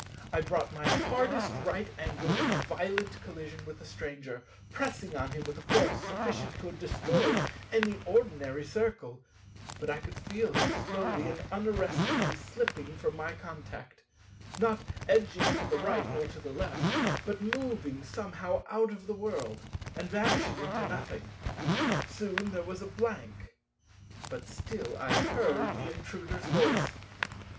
I brought my hardest right angle into violent collision with the Stranger, pressing on him with a force sufficient to have destroyed any ordinary Circle: but I could feel him slowly and unarrestably slipping from my contact; not edging to the right nor to the left, but moving somehow out of the world, and vanishing into nothing. Soon there was a blank. But still I heard the Intruder's voice.